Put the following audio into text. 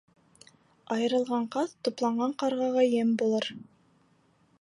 Айырылған ҡаҙ тупланған ҡарғаға ем булыр.